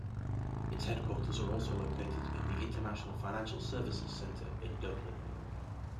Its headquarters are also located in the International Financial Services Centre in Dublin.